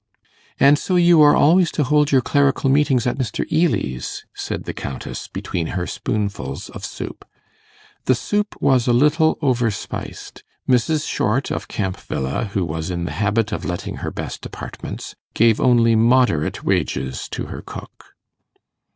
'And so you are always to hold your Clerical Meetings at Mr. Ely's?' said the Countess, between her spoonfuls of soup. (The soup was a little over spiced. Mrs. Short of Camp Villa, who was in the habit of letting her best apartments, gave only moderate wages to her cook.)